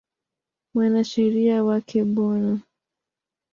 Mwanasheria wake Bw.